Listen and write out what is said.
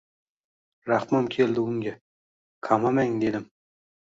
Rahmim keldi unga: «qamamang, — dedim. –